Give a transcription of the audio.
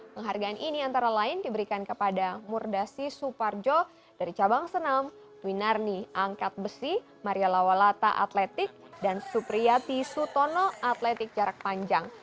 penghargaan ini antara lain diberikan kepada murdasi suparjo dari cabang senam winarni angkat besi maria lawalata atletik dan supriyati sutono atletik jarak panjang